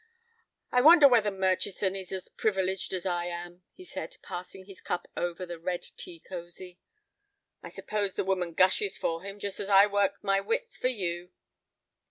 "I wonder whether Murchison is as privileged as I am?" he said, passing his cup over the red tea cosy. "I suppose the woman gushes for him, just as I work my wits for you."